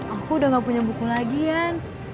aku udah gak punya buku lagi yan